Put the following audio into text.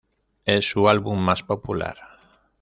Es su álbum más popular.